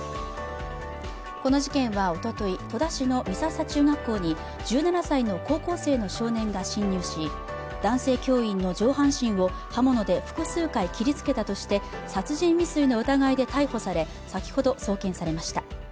この事件はおととい、戸田市の美笹中学校に１７歳の高校生の少年が侵入し、男性教員の上半身を刃物で複数回切りつけたとして殺人未遂の疑いで逮捕され、先ほど、送検されました。